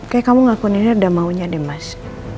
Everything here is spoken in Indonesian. kayak kamu ngelakuin ini udah maunya deh mas